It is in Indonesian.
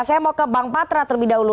saya mau ke bang patra terlebih dahulu